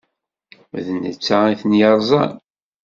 D netta i ten-yeṛẓan.